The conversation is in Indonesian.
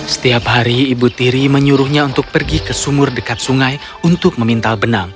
setiap hari ibu tiri menyuruhnya untuk pergi ke sumur dekat sungai untuk memintal benang